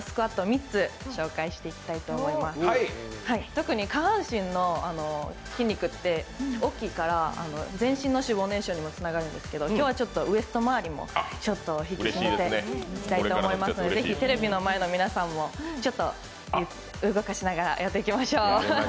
特に下半身の筋肉って大きいから全身の脂肪燃焼にもつながるんですけれども今日はウエスト回りを引き締めていきたいと思いますのでぜひテレビの前の皆さんも、ちょっと動かしながらやっていきましょう。